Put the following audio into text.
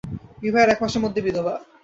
বিবাহের এক মাসের মধ্যে বিধবা।